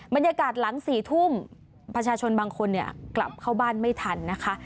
บรรยากาศหลัง๔ทุ่มประชาชนบางคนกลับเข้าบ้านไม่ทันนะคะ